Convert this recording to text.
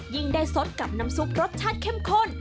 ยิ่งได้สดกับน้ำซุปรสชาติเข้มข้น